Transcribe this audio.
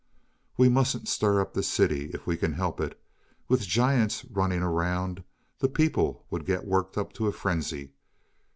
"We mustn't stir up the city if we can help it; with giants running around, the people would get worked up to a frenzy.